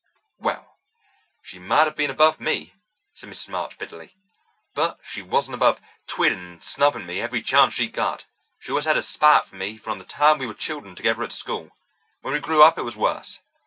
"Well, she might have been above me," said Mrs. March bitterly, "but she wasn't above twitting and snubbing me every chance she got. She always had a spite at me from the time we were children together at school. When we grew up it was worse.